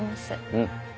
うん。